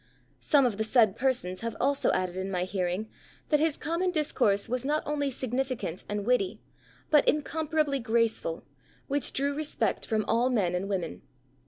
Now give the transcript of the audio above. Some of the said persons have also added in my hearing, that his common discourse was not only significant and witty, but incomparably graceful, which drew respect from all men and women."